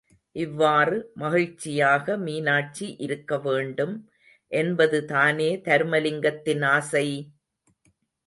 இவ்வாறு மகிழ்ச்சியாக மீனாட்சி இருக்க வேண்டும் என்பதுதானே தருமலிங்கத்தின் ஆசை!